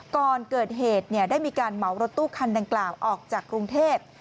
ก่อนเกิดเหตุได้มีการเหมารถตู้คันดังกล่าวออกจากกรุงเทพ